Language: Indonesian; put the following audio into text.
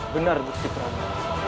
benar gusti prada